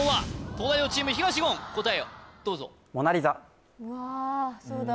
東大王チーム東言答えをどうぞうわそうだ